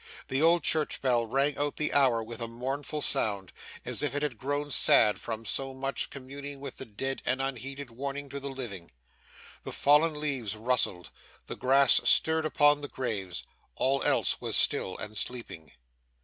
The old church bell rang out the hour with a mournful sound, as if it had grown sad from so much communing with the dead and unheeded warning to the living; the fallen leaves rustled; the grass stirred upon the graves; all else was still and sleeping.